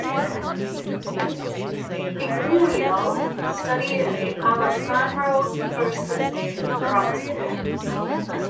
Di Giulio studied at the Alessandro Fersen drama school.